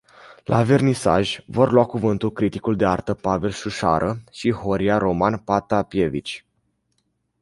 La vernisaj vor lua cuvântul criticul de artă Pavel Șușară și Horia Roman Patapievici.